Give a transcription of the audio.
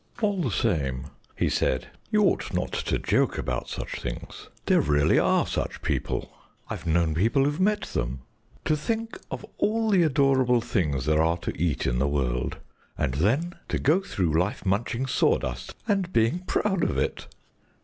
"All the same," he said, "you ought not to joke about such things. There really are such people. I've known people who've met them. To think of all the adorable things there are to eat in the world, and then to go through life munching sawdust and being proud of it."